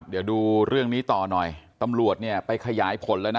เดี๋ยวดูเรื่องนี้ต่อหน่อยตำรวจเนี่ยไปขยายผลแล้วนะ